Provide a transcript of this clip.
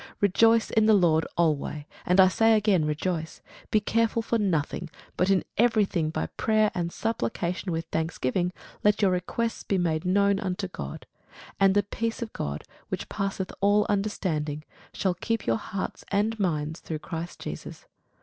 Rejoice in the Lord alway: and again I say, Rejoice. Be careful for nothing; but in every thing by prayer and supplication with thanksgiving let your requests be made known unto God. And the peace of God, which passeth all understanding, shall keep your hearts and minds through Christ Jesus.